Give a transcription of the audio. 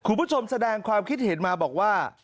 คุณผู้ชมแสดงความคิดเห็นมาบอกว่า